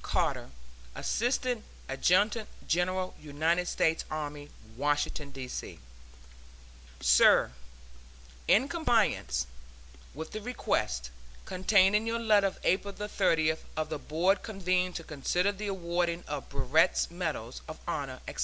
CARTER, Assistant Adjutant General United States Army, Washington, D. C. SIR: In compliance with the request, contained in your letter of April 30th, of the Board convened to consider the awarding of brevets, medals of honor, etc.